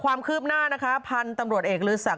ความคืบหน้านะคะพันธุ์ตำรวจเอกลือศักด